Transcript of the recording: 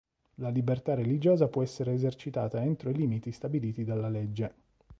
La libertà religiosa può essere esercitata entro i limiti stabiliti dalla legge.